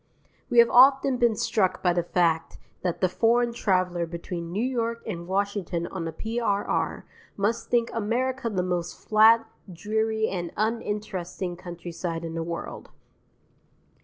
We have often been struck by the fact that the foreign traveller between New York and Washington on the P.R.R. must think America the most flat, dreary, and uninteresting countryside in the world.